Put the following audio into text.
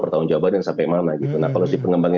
bertahun tahun yang sampai mana gitu nah kalau si pengembangan